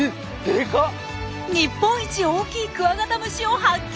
日本一大きいクワガタムシを発見！